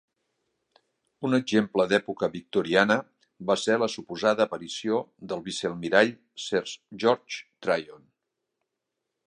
Un exemple d'època victoriana va ser la suposada aparició del vicealmirall Sir George Tryon.